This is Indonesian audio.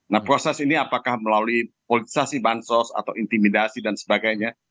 nah proses ini apakah melalui politisasi bansos atau intimidasi dan sebagainya